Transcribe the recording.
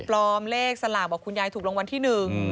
ปลอมเลขสลากบอกคุณยายถูกรองวัลที่หนึ่ง